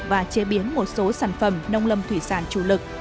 và chế biến một số sản phẩm nông lâm thủy sản chủ lực